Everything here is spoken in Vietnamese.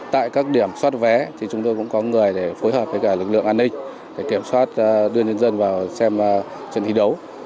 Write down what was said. tại các điểm xoát vé thì chúng tôi cũng có người để phối hợp với cả lực lượng an ninh để kiểm soát đưa nhân dân vào xem trận thi đấu